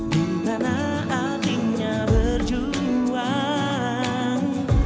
di tanah hatinya berjuang